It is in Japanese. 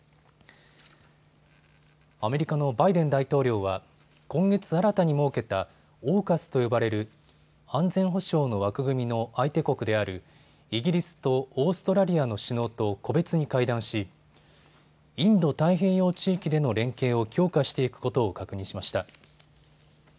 アメリカのバイデン大統領は今月、新たに設けたＡＵＫＵＳと呼ばれる安全保障の枠組みの相手国であるイギリスとオーストラリアの首脳と個別に会談し、インド太平洋地域での連携を強化していくことを確認しました。